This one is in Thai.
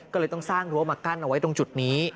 ก็เลยต้องสร้างรั้วมากั้นเอาไว้ตรงจุดนี้